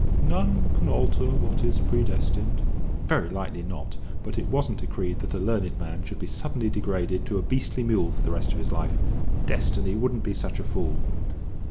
"None can alter what is predestined." "Very likely not. But it wasn't decreed that a learned man should be suddenly degraded to a beastly mule for the rest of his life. Destiny wouldn't be such a fool!"